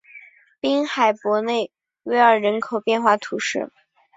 滨海伯内尔维尔人口变化图示